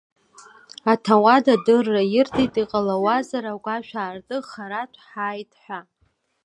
Аҭауад адырра ирҭеит, иҟалауазар агәашә аарты харатә ҳааит ҳәа.